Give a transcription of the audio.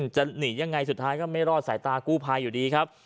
จะหนียังไงสุดท้ายก็ไม่รอดสายตากู้ภัยอยู่ดีครับ